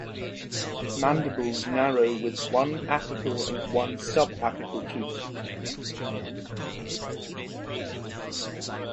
Mandibles narrow with one apical and one subapical tooth.